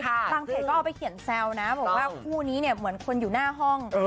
บางเพจก็เอาไปเขียนแซวนะบอกว่าคู่นี้เนี่ยเหมือนคนอยู่หน้าห้อง